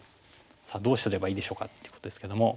さあどうすればいいでしょうかっていうことですけども。